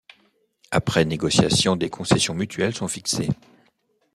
Après négociation des concessions mutuelles sont fixées.